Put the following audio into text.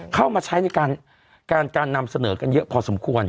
เข้ามาใช้ในการนำเสนอกันเยอะพอสมควร